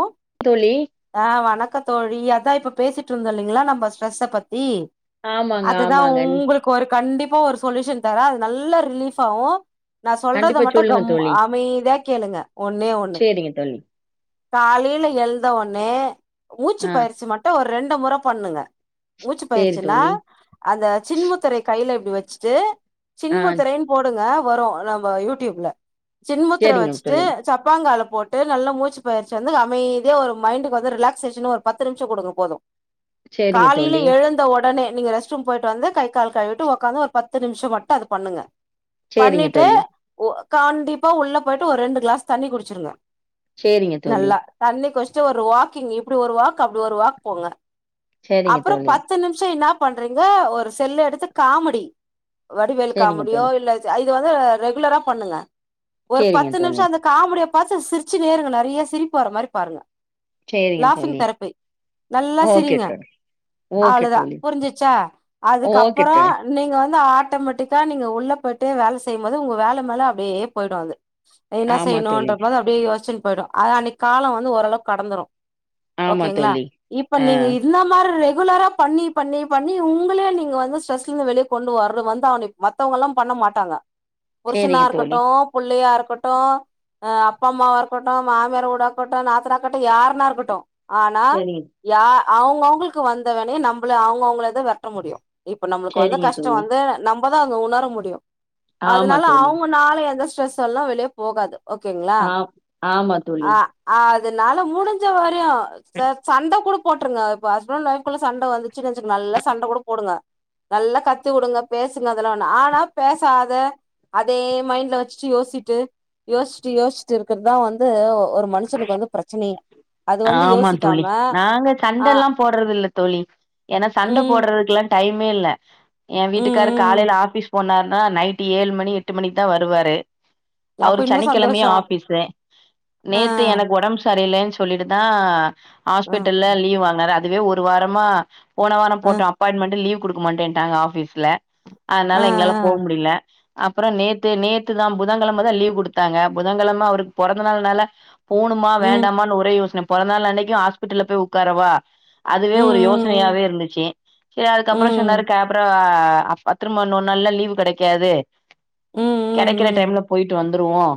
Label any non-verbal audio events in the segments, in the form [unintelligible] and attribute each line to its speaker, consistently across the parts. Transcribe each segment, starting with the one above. Speaker 1: அ
Speaker 2: தோழி
Speaker 1: ஆ வணக்கத்தோழி அதா இப்ப பேசிட்டு இருந்தோ இல்லைங்களா நம்ம ஸ்ட்ரெஸ்ஸ பத்தி
Speaker 2: ஆமாங்க,
Speaker 1: அதுதா
Speaker 2: ஆமாங்க.
Speaker 1: உங்களுக்கு ஒரு கண்டிப்பா ஒரு சொல்யூஷன் தரே அது நல்ல ரிலீஃப் ஆகும் நா சொல்றத
Speaker 2: கண்டிப்பா
Speaker 1: மட்டு
Speaker 2: சொல்லுங்க
Speaker 1: கம் அமைதியா கேளுங்க ஒன்னே ஒண்ணு
Speaker 2: சேரிங்க தோழி
Speaker 1: காலையில எழுந்த உனே மூச்சு
Speaker 2: ஆ
Speaker 1: பயிற்சி மட்டு ஒ ரெண்டு முறை பண்ணுங்க
Speaker 2: சரி
Speaker 1: மூச்சுப்பயிருச்சுன்னா
Speaker 2: தோழி.
Speaker 1: அந்த சின்முத்திரை கையில இப்படி வச்சுட்டு
Speaker 2: ஆ
Speaker 1: சின்மத்துரைன் போடுங்க வரும் நம்ப யூடியூப்ல சின்முத்திர
Speaker 2: சரிங்க
Speaker 1: வச்சுட்டு
Speaker 2: தோழி.
Speaker 1: சப்பாங்கால போட்டு நல்லா மூச்சு பயிற்சி வந்து அமைதியா இதே ஒரு மைண்டுக்கு வந்து ரிலேக்சேஷன் ஒரு பத்து நிமிஷம் கொடுங்க போது
Speaker 2: சரிங்க
Speaker 1: காலைல
Speaker 2: தோழி.
Speaker 1: எழுந்த உடனே நீங்க ரஸ் ஸ்ரூம் போயிட்டு வந்து கை கால் கழுவிட்டு உக்காந்து ஒரு பத்து நிமிஷம் மட்டும் அது பண்ணுங்க
Speaker 2: சரிங்க
Speaker 1: பண்ணிட்டு
Speaker 2: தோழி.
Speaker 1: ஒ கண்டிப்பா உள்ள போயிட்டு ஒர் ரெண்டு கிளாஸ் தண்ணி குடிச்சிருங்க
Speaker 2: சரிங்க தோழி.
Speaker 1: நல்லா தண்ணிக்குடுச்ட்டு ஒரு வாக்கிங் இப்டி ஒரு வாக் அப்டி ஒரு வாக் போங்க
Speaker 2: சரிங்க
Speaker 1: அப்புற
Speaker 2: தோழி.
Speaker 1: பத் த்து நிமிஷம் என்னாப் பண்றீங்க ஒரு செல் எடுத்து காமெடி வடிவேல்
Speaker 2: சரிங்க
Speaker 1: காமெடியோ
Speaker 2: தோழி.
Speaker 1: இல்ல ஆ இது வந்து ரெகுலரா பண்ணுங்க ஒரு
Speaker 2: சரிங்க
Speaker 1: பத்து
Speaker 2: தோழி.
Speaker 1: நிமிஷம் அந்தப் காமெடிய பாத்து சிரிச்சுன் நேருங்க நெறையா சிரிப்பு வர மாரி பாருங்க
Speaker 2: சரிங்க
Speaker 1: லாஃபிங்
Speaker 2: தோழி.
Speaker 1: தெரப்பி நல்ல
Speaker 2: ஓகே
Speaker 1: சிரிங்க
Speaker 2: தோழி. ஓகே
Speaker 1: அவ்ளோதா
Speaker 2: தோழி.
Speaker 1: புரிஞ்சிச்சா
Speaker 2: ஓகே
Speaker 1: அதுக்கப்பறோ
Speaker 2: தோழி.
Speaker 1: நீங்க வந்து ஆட்டோமேட்டிக்கா நீங்க உள்ள போய்ட்டு வேலை செய்யும் போது உங்க வேலை மேல அப்டியே போயிடு அது என்ன
Speaker 2: ஆமா தோழி.
Speaker 1: செய்யணும்ன்றபோது அப்டியே யோசிச்சன்னு போயிடு ஆனா அன்னைக்கு காலம் வந்துஓரளவுக்கு கடந்துரு
Speaker 2: ஆமா
Speaker 1: ஓகேங்ளா
Speaker 2: தோழி.
Speaker 1: இப்ப
Speaker 2: ஆ
Speaker 1: நீங்க இந்த மாரிலா ரெகுலராப் பண்ணி பண்ணி பண்ணி உங்களே நீங்க வந்து ஸ்ட்ரெஸ்லந்து வெளியே கொண்டு வர வந்தாகனு மத்தவங்களால்லா பண்ண மாட்டாங்க புருசனா
Speaker 2: சரிங்க தோழி.
Speaker 1: இருக்கட்டு புள்ளியா இருக்கட்டு அப்பா அம்மாவா இருக்கட்டு மாமியார் ஊடாக்கட் டும் நாத்னா இருக்கட்டு யாருன்னா இருக்கட்டு ஆனா
Speaker 2: சரிங்க
Speaker 1: யா அவங்கவுங்களுக்கு வந்த விணைய நம்பளே அவங்கவுங்களேதா வெர்ட்ட முடியு இப்ப நம்மளுக்கு வந்த
Speaker 2: சரிங்க
Speaker 1: கஷ்டம்
Speaker 2: தோழி.
Speaker 1: வந்து நம்பதா அத உணர முடியு
Speaker 2: ஆமா
Speaker 1: அதனால
Speaker 2: தோழி.
Speaker 1: அவங்க நால எந்த ஸ்ட்ரெஸ் எல்லா வெளியே போகாது ஓகேங்களா
Speaker 2: ஆ ஆமா தோழி.
Speaker 1: அ அதுனால முடிஞ்ச வரையு ச சண்டை கூட போட்ருங்க இப்ப ஹஸ்பண்ட் ஒய்ஃப்குள்ள சண்டை வந்து சின்ன சின் நல்ல சண்ட கூட போடுங்க நல்ல கத்து கொடுங்க பேசுங்க அதெலா ஒண்ணு நாலா பேசாத அதே மைண்ட்ல வச்சிட்டு யோசிட்டு யோச்சிட்டு யோச்சிட்டு இருக்கறதா வந்து ஒரு மனு மனுசருக்கு வந்து பிரச்சனையே அது வந்து
Speaker 2: ஆமா தோழி
Speaker 1: யோசிக்காம
Speaker 2: நாங்க
Speaker 1: ஆ
Speaker 2: சண்டல்லா போடுறது இல்ல தோழி ஏன்னா சண்ட
Speaker 1: ம்
Speaker 2: போட்றதுக்குல டைமே இல்ல என்
Speaker 1: ம்
Speaker 2: வீட்டுக்காரு
Speaker 1: ம்
Speaker 2: காலையில ஆபீஸ் போனாருன்னா நைட் ட்டி ஏழு மணி எட்டு மணிக்கு தா வருவாரு
Speaker 1: அப்ப
Speaker 2: அவரு
Speaker 1: இன்னு
Speaker 2: சனிக்கிழமையு
Speaker 1: சந்தோஷோ
Speaker 2: ஆபிஸு
Speaker 1: ஆ
Speaker 2: நேத்து எனக்கு உடம்பு சரியில்லேன் ட்டு தா
Speaker 1: ஆ
Speaker 2: ஹாஸ்பிட்டல்ல லீவ் வாங்னாரு அதுவே ஒரு வாரமா போனவாரம்
Speaker 1: ஆ
Speaker 2: போட்டோ அப் அப்பாயின்மெண்ட்டு லீவ் குடுக்க மாட்டேன்ட்டாங்க ஆபீஸ்ல
Speaker 1: ஆ
Speaker 2: அதனால எங்கயால
Speaker 1: ஆ
Speaker 2: போ முடில அப்புறோ நேத்து நேத்து தா புதன் கெழமதா லீவ் குடுத்தாங்க புதன் கெழமை அவருக்கு பொறந்த நாள்னால போணுமா
Speaker 1: ம்
Speaker 2: வேண்டாமான்னு ஒரே யோசன பொறந்த நாள் அன்னைக்கு ஹாஸ்பிட்டல்ல போய் உக்காரவா அதுவே ஒரு
Speaker 1: ம்
Speaker 2: யோசனையாவே இருந்துச்சு சரி
Speaker 1: ம்
Speaker 2: அதுக்கப்புறோ சொன்னாரு
Speaker 1: ம்
Speaker 2: கேப்ரா ஆ அப்ப திரும்ப இன்னொரு நாள்லா லீவ் கெடைக்காது
Speaker 1: ம்
Speaker 2: கெடைக்கிற
Speaker 1: ம்
Speaker 2: டைம்ல போயிட்டு வந் துருவோம்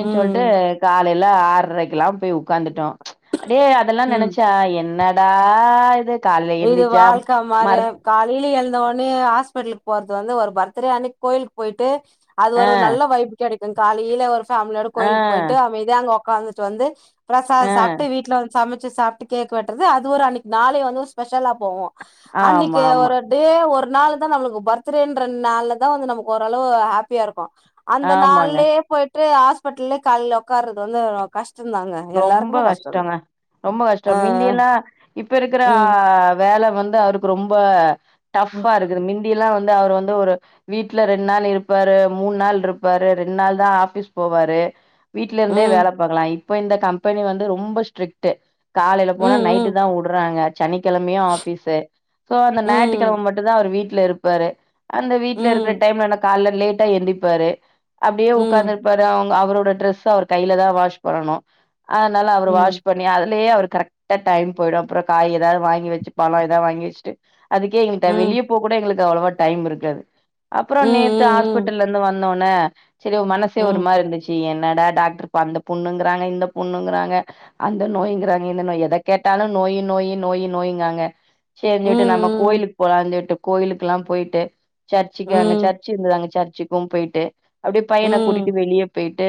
Speaker 1: ம்
Speaker 2: சொல்ட்டு
Speaker 1: ம்
Speaker 2: காலையில ஆரைக்கெல்லா போய் உக் காந்துட்டோ அப்டியே அதெல்லா
Speaker 1: ம்
Speaker 2: நெனச்சா என்னடா இது காலைல
Speaker 1: இது
Speaker 2: எந்திரிச்சா
Speaker 1: வாழ்க்க
Speaker 2: மர
Speaker 1: மாரியா காலைல எழுந்தோனே ஹாஸ்பிட்டலுக்கு போறது வந்து ஒரு பர்த்டே அன்னைக்கு கோயிலுக்கு போய்ட்டு அது ஒரு
Speaker 2: ஆஹ்
Speaker 1: நல்ல வைப்பு கெடைக்கு காலையில ஒரு ஃபேமிலியோட கோயிலுக்கு
Speaker 2: ஆஹ்
Speaker 1: போய்ட்டு அமைதியா அங்க உக்காந்துட்டு வந்து பிரசாதோ
Speaker 2: ஆஹ்
Speaker 1: சாப்ட்டு வீட்ல வந்து சமைச்சு சாப்பிட்டு கேக்கு வெட்றது அது ஒரு அன்னைக்கி நாளே வந்து ஸ்பெஷலா போவு அன்னைக்கு
Speaker 2: ஆமா ஆமா
Speaker 1: அவரு டே ஒரு நாள் தா நம்மளுக்கு பர்த்டேண்ற நாள்லதா வந்து நமக்கு ஓரளவு ஹேப்பியா இருக்கு அந்த
Speaker 2: ஆமாங்க
Speaker 1: நாள்லேயே போயிட்டு ஹாஸ்பிடிட்டல்லயே காலைல உக்காறது வந்து கஷ்டோ
Speaker 2: ரொம்ப கஷ்டங்க ரொம்ப கஷ்டோ
Speaker 1: ஆ
Speaker 2: மிந்தியெல்லா இப்ப இருக்குற
Speaker 1: ம்
Speaker 2: வேலை வந்து அவரு ரொம்ப டஃபா இருக்குது மிந்தியெல்லா வந்து அவர் வந்து ஒரு வீட்ல ரெண்டு நாள் இருப்பாரு மூணு நாள் இருப்பாரு ரெண்டு நாள் தா ஆபீஸ் போவாரு வீடலருந்தே
Speaker 1: ம்
Speaker 2: வேல பாக்கலா இப்ப இந்த கம்பெனி வந்து ரொம்ப ஸ்ட்ரிக்ட் காலைல போனா
Speaker 1: ம் ம்
Speaker 2: நைட்டு தா உடுறாங்க சனிக்கெழமையு ஆபீஸு சோ அந்த
Speaker 1: ம்.
Speaker 2: ஞாயித்துக்கெழமை மட்டும் தா அவர் வீட்ல இருப் பாரு அந்த வீட்ல இருக்குற
Speaker 1: ம்.
Speaker 2: டைம்ல கால்ல லேட்டா எந்திப்பாரு அப்டியே
Speaker 1: ம்.
Speaker 2: உக்காந்துரு ப்பாரு அவுங்க அவரோட டிரெஸ்ஸ அவர் கைல தா வாஷ் பண்ணனு அதனால அவர் வாஷ்
Speaker 1: ம்.
Speaker 2: பண் ணி அதுலயே அவருக்கு கரெக்ட்டா டைம் போயிடு அப்புறோ காய் எதாவது வாங்கி வச்சு பழோ எதாது வாங்கி வச்சுட்டு அதுக்கே எங்கள்ட்ட
Speaker 1: ம்.
Speaker 2: வெளியே போக கூட எங்களுக்கு அவ்ளவா டைம் இருக்காது அப்புறோ
Speaker 1: ம்.
Speaker 2: நேத்து
Speaker 1: ம்.
Speaker 2: ஹாஸ்பிட்டல்ல இருந்து வந் தோன்ன சேரி மனசே ஒரு மாதிரி இருந்துச்சு என்னடா டாக்டரு அந்தப் புண்ணுங்கிறாங்க இந்தப் புண்ணுங்கிறாங்க அந்த நோய்ங்கிறாங்க இந்த நோய் எத கேட்டாலும நோயி நோயி நோயி நோய்ங்காங்க சேரிஞ் சொல்ட்டு நம்ம
Speaker 1: ம்.
Speaker 2: கோயிலுக்கு போகலாஞ் சொல்ட்டு கோயிலுக்குலா போயிட்டு சர்ச்சுக்கு அங்க
Speaker 1: ம்.
Speaker 2: சர்ச்சு இருந்தது அங்க சர்ச்சுக்கு போயிட்டு அப்படியே பையன கூட்டிட்டு
Speaker 1: ம்.
Speaker 2: வெளியே போயிட்டு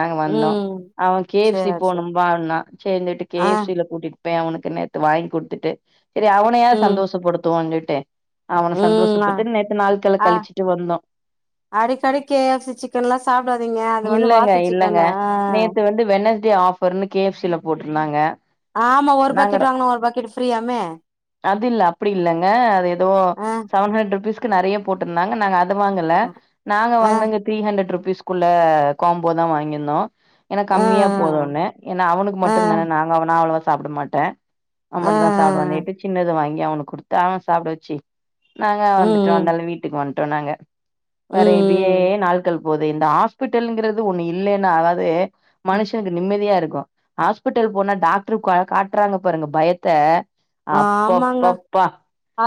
Speaker 2: நாங்க வந்தோ
Speaker 1: ம்.
Speaker 2: அவே கே எஃப் சி
Speaker 1: சரி, சரி.
Speaker 2: போனும்பான்னா சேரிஞ் சொல்ட்டு கே
Speaker 1: ஆ.
Speaker 2: எஃப் சி ல கூட்டிட்டு பேய் அவனுக்கு நேத்து வாங்கி குடுத்துட்டு சேரி அவனையாது
Speaker 1: ம்.
Speaker 2: சந்தோஷப் படுத்துவோஞ் சொல்ட்டு அவன சந்தோஷப்பட்டு
Speaker 1: ம்.
Speaker 2: நேத்து நாள்கல
Speaker 1: அ அ
Speaker 2: கழிச்சிட்டு வந்தோ
Speaker 1: அடிக்கடி கே எஃப் சி சிக்கன்லா சாப்டாதீங்க அது வந்து வாத்து சிக்கனு ஆ
Speaker 2: இது வந்து வெனஸ்டே ஆஃபர்னு கே எஃப் சி ல போட்ருந்தாங்க
Speaker 1: ஆமா ஒரு
Speaker 2: நாங்க
Speaker 1: பக்கெட் வாங்குனா ஒரு பக்கெட் ஃப்ரீயாமே
Speaker 2: அது இல்ல அப்டி இல்லங்க அது எதோ
Speaker 1: ஆ.
Speaker 2: செவன் ஹண்ட்ரட் ருபீஸ் நெறைய போட்ருந்தாங்க நாங்க அத வாங்கல
Speaker 1: அ.
Speaker 2: நாங்க
Speaker 1: ஆ.
Speaker 2: வாங்கனுங்க த்ரீ ஹண்ட்ரட் ருபீஸ்குள்ள காம்போ தா வாங்கியிருந்தோ ஏன்னா
Speaker 1: ஆ.
Speaker 2: கம்மியா போதுன்னு ஏன்னா அவனுக்கு மட்டுந்தானே நாங்க அவன நா அவ்ளவா சாப்பட மாட்டே அவ
Speaker 1: ஆ.
Speaker 2: மட்டும்தா சாப்பிடுவானேட்டு சின்னத வாங்கி அவனுக்கு குடுத்த அவன சாப்பிட வச்சு நாங்க வந்துட்டோ
Speaker 1: ம்.
Speaker 2: அந்தால வீட்டுக்கு வந்துட்டோ நாங்க வேற இப்டியே
Speaker 1: ம்.
Speaker 2: நாள்கள் இப்போது இந்த ஹாஸ்பிட்டல்ங்கிறது ஒண்ணு இல்லைன்னு அதாவது
Speaker 1: ம்.
Speaker 2: மனுஷனுக்கு நிம்மதியா இருக்கு ஹாஸ்பிட்டல் போனா டாக்டரு காட்டுறாங்க பாருங்க பயத்த
Speaker 1: ஆமாங்க.
Speaker 2: அப்பப்பப் பா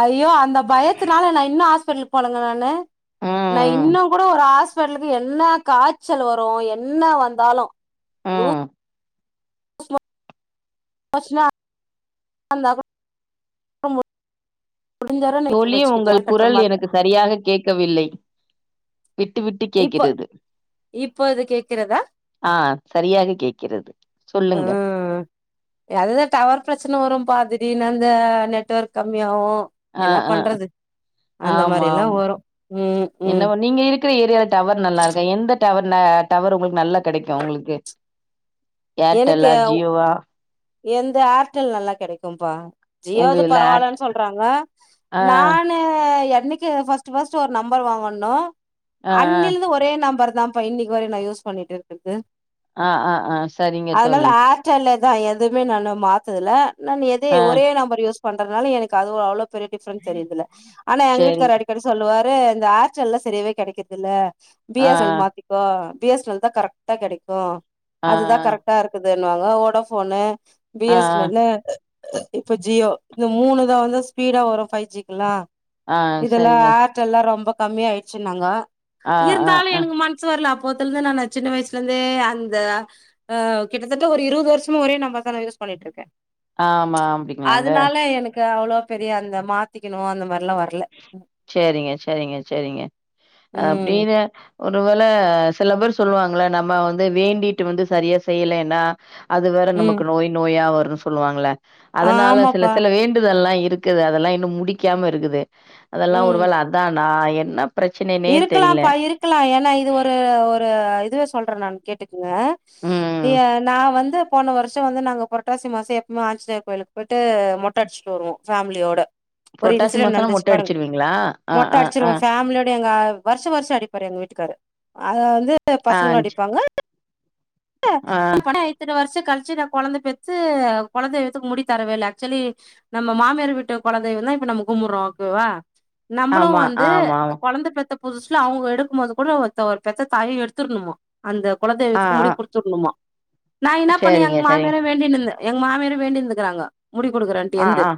Speaker 1: ஐயோ அந்த பயத்துனால நா இன்னு ஹாஸ்பிட்டலுக் போலங்க நானு நா
Speaker 2: ம்
Speaker 1: இன்னு கூட ஒரு ஹாஸ் பிட்டலுக்கு என்னா காய்ச்சல் வரு என்னா வந்தாலு
Speaker 2: ம்
Speaker 1: பஸ்லா [inaudible] [unintelligible] முடிஞ்சர
Speaker 2: தோழி
Speaker 1: வச்சுக்கிட்டு
Speaker 2: உங்கள்
Speaker 1: கட்டுற
Speaker 2: குரல்
Speaker 1: மாத்த
Speaker 2: எனக்கு சரியாகக் கேட்கவில்லை விட்டு விட்டஇ
Speaker 1: இப்ப
Speaker 2: கேக்கிறது
Speaker 1: இப்ப இது கேக்குறதா
Speaker 2: ஆ சரியாக கேக்கிறது சொல்லுங்க
Speaker 1: ம் அதுதா டவர் பிரச்சன வரு பா திடீர்னு அந்த நெட்வொர்க் கம்மியாவு
Speaker 2: ஆ
Speaker 1: என்னா
Speaker 2: ஆ
Speaker 1: பண்றது அந்த
Speaker 2: ஆமா
Speaker 1: மாரில்லா வரு உம் உம்
Speaker 2: க்கிற ஏரியால டவர் நல்லா இருக்கு எந்த டவர் ன டவர் உங்ளுக்கு நல்லா கெடைக்கு உங்ளுக்கு
Speaker 1: எனக்கு எந்த ஆர்டெல் நல்லா கெடைக்கும்பா
Speaker 2: உங்க
Speaker 1: ஜியோது
Speaker 2: இதுல ஏர்ட்
Speaker 1: பரவாயில்லன் சொல்றாங்க
Speaker 2: ஆ
Speaker 1: நான் [inaudible] என்னைக்கு ஃபஸ்ட்டு ஃபஸ்ட்டு ஒரு நம்பர் வாங்கன்னோ
Speaker 2: ஆ
Speaker 1: அண்ணிலந்து ஒரே நம்பர் தா ப்ப இன்னைக் வர நா யூஸ் பண்ணிட்டு இருக்கர்து
Speaker 2: ஆ ஆ ஆ சரிங்க
Speaker 1: அதனால
Speaker 2: தோழி
Speaker 1: ஏர்டெல்லேதா எதுமே நானு மாத்ததுல நா எதே
Speaker 2: ஆ
Speaker 1: ஒரே நம்பர் யூஸ் பண்றதுனால எனக்கு அது அவ்ளோ பெரிய டிஃப்ரன்ஸ் தெரிதிர்ல ஆனா எங்க
Speaker 2: சரி
Speaker 1: வீட்டு்கார் அடி க்கடி சொல்லுவாரு இந்த ஆர்டெல்லா செரியவே கெடைக்குர்தில்ல பி
Speaker 2: ஆ
Speaker 1: எஸ் என் எல் மாத்திக் கோ பி எஸ் என் எல் தா கரெக்டா கெடைக்கு
Speaker 2: ஆ
Speaker 1: அதுதா
Speaker 2: ஆ
Speaker 1: கரெக்ட்டா இருக்குதுன்னுவாங்கோ வோடாஃபோனு பி
Speaker 2: ஆ
Speaker 1: எஸ் என் எல்லு இப்ப ஜியோ இந்த மூணுதா வந்து ஸ்பீடா வரு ஃபைவ் ஜிக்குல்லா
Speaker 2: ஆ
Speaker 1: இதுல்ல
Speaker 2: சரிங்க
Speaker 1: ஆர் டெல்லா ரொம்ப கம்மி ஆயிடுச்சுன்னாங்க
Speaker 2: ஆ ஆ
Speaker 1: இருந்தாலு
Speaker 2: ஆ
Speaker 1: எனக்கு மன் சு வர்ல அப்போத்துலந்து நானு சின்ன வயசுல இருந்தே அந்த ஆ கிட்டதட்ட ஒரு இருவது வருஷமா ஒரே நம்பர்தா யூஸ் பண்ணிட்டுருக்கே
Speaker 2: ஆமா அப்டிங்களாங்க
Speaker 1: அதனால எனக்கு அவ்ளோ பெரிய அந்த மாத்திக்கணு அந்த மார்லா வர்
Speaker 2: செரிங்க செரிங்க செரிங்க
Speaker 1: ம்
Speaker 2: அப்டின்னு ஒருவேள சில பேர் சொல்லுவாங்ள நம்ம வந்து வேண்டிட்டு வந்து சரியா செய்யலேன்னா அது வேற
Speaker 1: ம்
Speaker 2: நமக்கு நோய் நோயா வரு சொல்லுவாங்கள அதனால சில
Speaker 1: ஆமாப்பா
Speaker 2: சில வேண்டுதல்லா இருக் குது அதெல்லா இன்னு முடிக்காம இருக்குது அதெல்லா ஒரு
Speaker 1: ம்
Speaker 2: வேள அதானா என்ன பிரச்சனைன்னே தெரியல.
Speaker 1: இருக்கலாம்ப்பா இருக்கலா ஏன்னா இது ஒரு ஒரு இதுவே சொல்ற நா கேட்டுக்குங்க
Speaker 2: ம்.
Speaker 1: நா வந்து போன வர்ஷோ வந்து நாங்க புரட்டாசி மாசோ எப்மே ஆஞ்சிநேயர் கோயிலுக் போய்ட்டு மொட்ட அடிச்சுட்டு வருவோ ஃபேமிலியோட ஒரு
Speaker 2: புரட்டாசி
Speaker 1: இன்சிடென்ட்
Speaker 2: மாசம்னா
Speaker 1: நடந்துச்சு
Speaker 2: மொட்டை
Speaker 1: பாருங்
Speaker 2: அடிச்சிருவீங்களா? அ,
Speaker 1: மொட்ட
Speaker 2: அ, அ.
Speaker 1: அடிச்சிருவோ ஃபேமிலியா எங்க வர்ஷ வர்ஷ அடிப்பாரு எங்க வீட்டுக்காரு அத வந்து
Speaker 2: ஆ,
Speaker 1: பசங்ளு
Speaker 2: ச
Speaker 1: அடிப்பாங்க
Speaker 2: ஆ.
Speaker 1: [inaudible] இத்தன வர்ஷ கழிச்சு நா கொழந்த பெத்து கொல தெய்வத்துக்கு முடி தரவே இல்ல ஆக்சுவலி நம்ம மாமியார் வீட்டு குலதெய்வ தா இப்ப நம்ம கும்புர்றோ ஓகேவா நம்மளு
Speaker 2: ஆமா,
Speaker 1: வந்து
Speaker 2: ஆமா, ஆமா.
Speaker 1: கொழந்த பெத்த புதுசுல அவுங்க எடுக்கும் போது கூட ஒரு பெத்த தாயு எடுத்துர்ணுமா அந்த
Speaker 2: ஆ,
Speaker 1: குலதெய்வத்துக்கு
Speaker 2: ஆ.
Speaker 1: முடி குடுத்துர்ணுமா நா என்ன பண்ணோ
Speaker 2: சரிங்க,
Speaker 1: எங்
Speaker 2: சரிங்க.
Speaker 1: மாமியாரு வேண்டின்ந்தே எங்க மாமியரு வேண்டிந்துக்கிறாங்கோ முடி குடுக்குறேன்ட்டு
Speaker 2: ஆ,
Speaker 1: எந்து
Speaker 2: ஆ.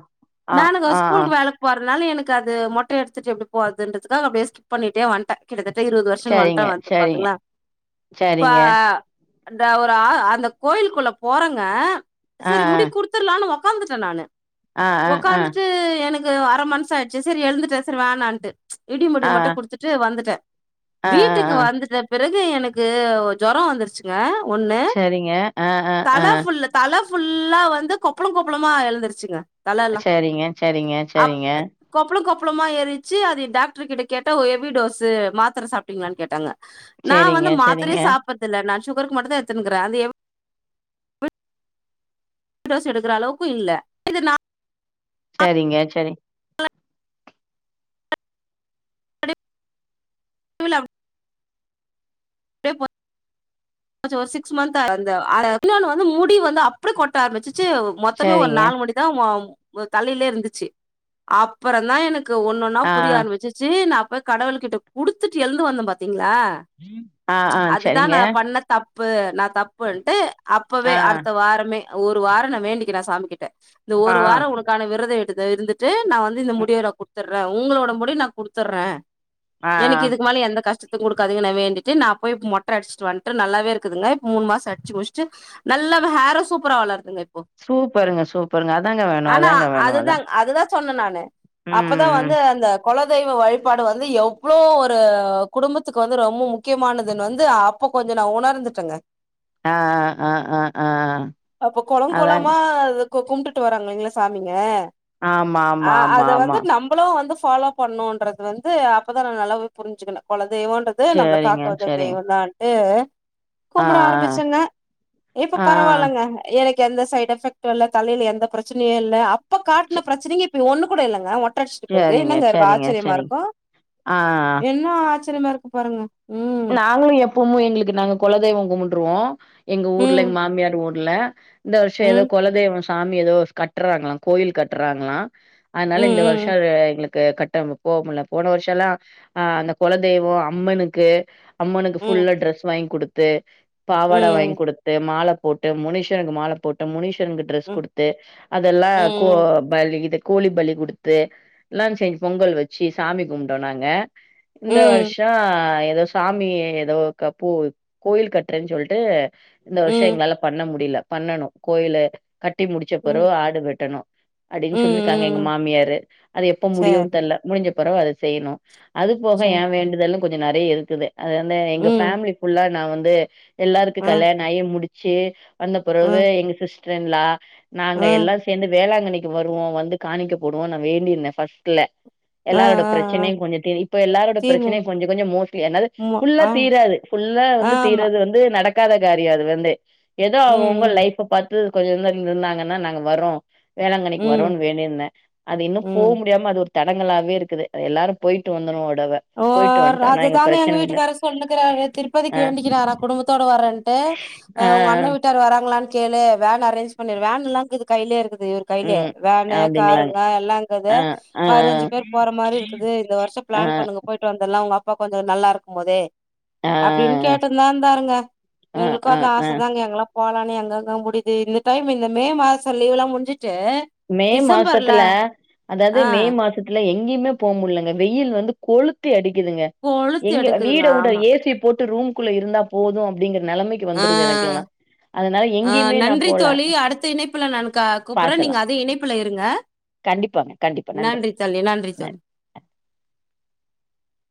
Speaker 2: ஆ,
Speaker 1: நானுங்கோ
Speaker 2: ஆ, ஆ.
Speaker 1: ஸ்கூலுக்கு வேல போர்னால எனக்கு அது மொட்ட எடுத்துட்டு எப்டி போறதுன்றதுக்கா அப்டியே ஸ்கிப் பண்ணிட்டே வன்ட்ட கிட்டத்தட்ட இருவது வர்ஷன் வன்ட்ட
Speaker 2: சரிங்க,
Speaker 1: வந்து
Speaker 2: சரிங்க,
Speaker 1: பாத்துங்ள இப்ப
Speaker 2: சரிங்க.
Speaker 1: அந்த ஒரு அந்த கோயிலுக்குள்ள போறங்க
Speaker 2: ஆ,
Speaker 1: செரி
Speaker 2: ஆ.
Speaker 1: முடி குடுத் த்துர்லானு ஒக்காந்துட்டே நானு
Speaker 2: ஆ, ஆ, ஆ.
Speaker 1: ஒக்காந்துட்டு எனக் கு அர மனுசாயிட்ச்சு செரி எழுந்துட்டே செரி வேணான்ட்டு இடி மடி
Speaker 2: ஆ.
Speaker 1: மட்டு‌ குடுத்துட்டு வந்துட்டே
Speaker 2: ஆ,
Speaker 1: வீட்டுக்கு
Speaker 2: ஆ, ஆ.
Speaker 1: வந்துட்ட பிறகு எனக்கு ஜொரொ வந்துருச்சு ங்க ஒன்னு
Speaker 2: சரிங்க. ஆ, ஆ, ஆ.
Speaker 1: தல ஃபுல்ல தல ஃபுல்லா வந்து கொப்பள கொப்பளமா எழுந்துருச்சுங்க
Speaker 2: சேரிங்க சேரிங்க சேரிங்க
Speaker 1: கொப்ளொ கொப்ளொமா ஏறிட்ச்சு அது டாக் ட்ருகிட்ட கேட்டா‌ ஒ ஹெவிடோஸு மாத்துர சாப்டிங்ளான் கேட்டாங்க நா
Speaker 2: சரிங்க,
Speaker 1: வந்து மாத்திரயே
Speaker 2: சரிங்க.
Speaker 1: சா ப்பற்தில்ல நா ஷுகருக்கு மட்டுதா எத்துனுக்குறே அந்த எ விடோஸ் எடுக்குற அளவுக்கு இல்ல இது நா
Speaker 2: சேரிங்க செரி
Speaker 1: [unintelligible] ப்டியே போ ச்சு ஒரு சிக்ஸ் மந்த்தா [unintelligible] அந்த இன்னொன்னு வந்து முடி வந்து அப்டே கொட்ட ஆரம்பிச்சிச்சு மொத்தமே ஒரு
Speaker 2: சரிங்க.
Speaker 1: நாலு முடிதா மொ தலைலே இருந்துச்சு அப்பறொந்தா எனக்கு ஒன்னொன் னா
Speaker 2: ஆ,
Speaker 1: புரிய ஆரம்பிச்சிச்சு நா‌ ப கடவுள் கிட்ட குடுத்துட்டு எழுந்து வந்த பாத்தீங்ளா
Speaker 2: உம்
Speaker 1: அதுதா நா பண்ண தப்பு நா‌ தப்புன்ட்டு அப்பவே
Speaker 2: ஆ,
Speaker 1: அடுத்த வாரமே ஒரு வார நா‌ வேண்டிக்கினே சாமி கிட்ட இந்த
Speaker 2: ஆ,
Speaker 1: ஒரு வார உனக்கான வெரத எடுத்து இருந்து ட்டு நா வந்து இந்த
Speaker 2: ம்.
Speaker 1: முடிய நா குத்தர்றே உங்களோட முடி நா குடுத்தர்றே
Speaker 2: ஆ, ஆ.
Speaker 1: எனக்கு இதுக்கு மேல எந்த கஷ்டத்த குடுக்காதிங்க நா வேண்டி ட்டு நா போய் மொட்ட அடுச்சுட்டு வன்ட்டு நல்லாவே இருக்குதுங்க இப்ப மூணு மாச அட்ச்சு முச்ட்டு நல்ல வ ஹேரு சூப்பரா வளருதுங்க இப்போ
Speaker 2: சூப்பருங்க சூப்பருங்க அதாங்க வேணு அதாங்க வேணு அதா
Speaker 1: சொன்ன‌ நானு அப்பதா
Speaker 2: ம்.
Speaker 1: வந்து அந்த கொலதெய்வ வழிபாடு வந்து எவ்ளோ ஒரு குடும்பத்துக்கு வந்து ரொம்ப முக் கியமானதுன் வந்து அப்ப கொஞ்ச நா உணர்ந்துட்டங்க
Speaker 2: ஆ அ அ அ அதாங்க
Speaker 1: கு கும்டுட்டு வராங்ளைங்ள சாமிங்க
Speaker 2: ஆமா,
Speaker 1: அ
Speaker 2: ஆமா, ஆமா,
Speaker 1: அத
Speaker 2: ஆமா.
Speaker 1: வந்து நம் மளு‌ வந்து ஃபாலோ பண்ணுன்றது வந்து அப்பதா நா நல்லாவெ புரிஞ்சுக்கினெ கொலதெய்வோன்றது நம்ள காக்
Speaker 2: சரிங்க, சரிங்க.
Speaker 1: கதான்ட்டு
Speaker 2: ஆ,
Speaker 1: கும்புட ஆரம்பிச்சேங்க இப்ப
Speaker 2: ஆ, ஆ. ஆ, ஆ.
Speaker 1: பரவால்லங்க எனக்கு எந்த சைட் எஃபெக்ட்டு‌ல்ல தலைல எந்த பிரச்சனயு இல்ல அப்ப
Speaker 2: ச
Speaker 1: காட்ன பிரச்சனைங்க ஒன்னு கூட இல்லங்க மொட்ட அடுச்ட்ட பிறகு
Speaker 2: சரிங்க,
Speaker 1: என்னங்க இருக்கு
Speaker 2: சரிங்க,
Speaker 1: ஆச்சரியமா
Speaker 2: சரிங்க.
Speaker 1: இருக்கு
Speaker 2: ஆ, ஆ.
Speaker 1: என் னா ஆச்சரியமா இருக்கு பாருங்க ம்
Speaker 2: நாங்ளு எப்பமு எங்ளுக்கு நாங்க கொலதெய்வொ கும்முட்ருவோ‌ எங்க ஊர்ல எங்
Speaker 1: ம்
Speaker 2: மாமியார் ஊர் ல இந்த வருஷ எதோ
Speaker 1: ம்
Speaker 2: கொலதெய்வொ சாமி எதோ கட்றாங்களா கோயில் கட்றாங்களா அதுனால இந்த வருஷ
Speaker 1: ம்
Speaker 2: எங்ளுக்கு கட் டாம‌ போ முல்ல போன வருஷல்லா அ அந்த கொலதெய்வொ அம்மனுக்கு அம்மனுக்கு
Speaker 1: ம் ம்
Speaker 2: ஃபுல்லா ட்ரெஸ் வாங்கி குடுத்து பாவாட வாங்கி
Speaker 1: ம்
Speaker 2: குடுத்து மால போட் டு முனிஷனுக்கு மால போட்டு முனிஷனுக்கு ட்ரெஸ்
Speaker 1: ம்
Speaker 2: குடுத்து அதெல்லா
Speaker 1: ம்
Speaker 2: கோ பலி இத கோழி பலி குடுத்து எல்லா செஞ் பொங்கல் வச்சு சாமி கும்புட்டோ நாங்க இந்த
Speaker 1: ம்
Speaker 2: வருஷோ எதோ சாமிய எதோ கப்பூ கோயில் கட்றேன் சொல்ட்டு இந்த வருஷொ
Speaker 1: ம்
Speaker 2: எங்ளால பண்ண முடில பண்ணனு கோயில கட்டி முடுச்ச
Speaker 1: ம்
Speaker 2: பெறவு ஆடு வெட்டனு அடின்
Speaker 1: ம்
Speaker 2: சொல்லிருக்காங்க
Speaker 1: ம்
Speaker 2: எங்க மாமியாரு அது எப்ப முடியுன்
Speaker 1: சேரி
Speaker 2: தெர்ல முடிஞ்ச பெறவு அத செய்யணு அது போக
Speaker 1: சேரி
Speaker 2: ஏ வேண்டுதலு கொஞ்ச நெறய இருக்குது அது வந்து எங்க
Speaker 1: ம்
Speaker 2: ஃபேமிலி ஃபுல்லா நா வந்து எல்லாருக்கு
Speaker 1: ம்
Speaker 2: கல்யாண ஆயி முடிச்சு வந்த பெறவு
Speaker 1: ம்
Speaker 2: எங்க சிஸ்டர் இன்ளா நாங்க
Speaker 1: ம்
Speaker 2: எல்லா சேந்து வேளாங்கண்ணிக் கு வருவோ வந்து காணிக்க போடுவோ நா வேண்டிருந்தே ஃபஸ்ட்ல
Speaker 1: ஆ ஆ
Speaker 2: எல்லாரோட
Speaker 1: ஆ
Speaker 2: பிரச்சனயு கொஞ்ச தீர் இப்போ எல்லாரோட
Speaker 1: தீர்வு
Speaker 2: பிரச்சனயு கொஞ்ச கொஞ்ச மோஸ்லி என்னது ஃபுல்லா
Speaker 1: ஆ
Speaker 2: தீராது ஃபுல்லா வந்து
Speaker 1: ஆமா
Speaker 2: தீர்ரது வந்து நடக்காத காரிய அது வந்து ஏதோ
Speaker 1: ம்
Speaker 2: அவுங்கவுங்க
Speaker 1: ம்
Speaker 2: லைஃப்அ பாத்து கொஞ்ச இருந்தாங்கன்னா நாங்க வரோ வேளாங்கண்ணிக்கு
Speaker 1: ம்
Speaker 2: வறோன்னு வேண்டிருந்தே அது இன்னு போ
Speaker 1: ம்
Speaker 2: முடியாம அது ஒரு தடங்களாவே இருக்குது எல்லாரு போயிட்டு வந்தணு ஒரு தடவ போயிட்டு வன்ட்டோனா எங்க பிரச்சன கொஞ்ச
Speaker 1: கொண்ணுக்கிற திருப்பதிக்கு வேண்டிக்கிறாற குடும்பத்தோட வர்றேன்ட்டு
Speaker 2: ஆ
Speaker 1: உங்க அண்ண வீட்டார் வராங்களான்னு கேளு வேன் அரேஞ் பண்ணிரு வேன்ல்லா இது கையிலே இருக்குது இவருக் கைலயே
Speaker 2: ம்
Speaker 1: வேனு
Speaker 2: அப்டிங்களாங்க
Speaker 1: காருங்க எல்லாங்குது
Speaker 2: ஆ ஆ
Speaker 1: பதினஞ்சு பேர் போற மாரி இருக்குது இந்த வருஷ
Speaker 2: ஆ
Speaker 1: பிளான் பண்ணுங்க போயிட்டு வந்தடலா உங்க அப்பா கொஞ்ச நல்லா இருக்கும் போதே
Speaker 2: ஆ
Speaker 1: அப்டின்னு கேட்டுந்தா இருந்தாருங்க
Speaker 2: ஆ
Speaker 1: எங்களுக்கு
Speaker 2: ஆ
Speaker 1: அந்த
Speaker 2: ஆ ஆ
Speaker 1: ஆச தாங்க எங்களா போலானே அங்கங்க முடியுது இந்த டைம் இந்த மே மாசம லீவ் எல்லா முடிஞ்சிச்சு
Speaker 2: மே மாசத்துல அதாது
Speaker 1: ஆ
Speaker 2: மே மாச த்துல எங்கேயுமே போ முடிலங்க வெயில் வந்து கொழுத்தி அடிக்குதுங்க
Speaker 1: கொழுத்து
Speaker 2: எங்க
Speaker 1: எடுக்குதுங்க
Speaker 2: வீட உட
Speaker 1: ஆமா
Speaker 2: ஏ சி போட்டு ரூம்குள்ள இருந்தா போது அப்டிங்கிற நெலமைக்கு
Speaker 1: ஆ ஆ
Speaker 2: நான்
Speaker 1: நன்றி
Speaker 2: போல
Speaker 1: தோழி அடுத்த இணைப்புல நானு க கூப்புறே நீங்க
Speaker 2: பாக்கலாம்
Speaker 1: அத இணைப்புல இருங்க
Speaker 2: கண்டிப்பாங்க கண்டிப்பா
Speaker 1: நன்றி தோழி நன்றி தோழி